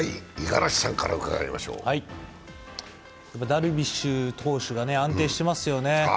ダルビッシュ投手が安定していますよね。